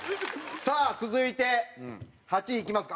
さあ続いて８位いきますか。